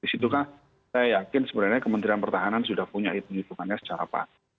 disitukan saya yakin sebenarnya kementerian pertahanan sudah punya hitungannya secara pasti